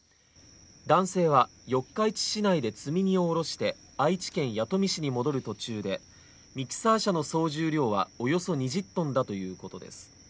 男性は四日市市内で積み荷をおろして愛知県弥富市に戻る途中でミキサー車の総重量はおよそ２０ｔだということです。